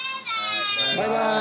バイバイ！